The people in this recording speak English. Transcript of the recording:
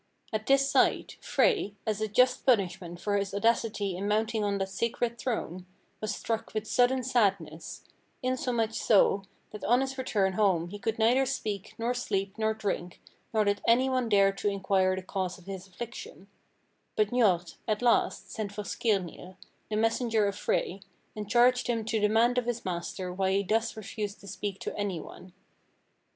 At this sight, Frey, as a just punishment for his audacity in mounting on that sacred throne, was struck with sudden sadness, insomuch so, that on his return home he could neither speak, nor sleep, nor drink, nor did any one dare to inquire the cause of his affliction; but Njord, at last, sent for Skirnir, the messenger of Frey, and charged him to demand of his master why he thus refused to speak to any one.